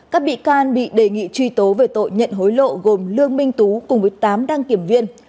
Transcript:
các bị can bị đề nghị truy tố về tội nhận hối lộ gồm lương minh tú cùng với tám đăng kiểm viên